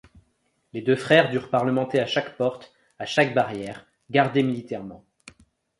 Les deux frères durent parlementer à chaque porte, à chaque barrière, gardées militairement.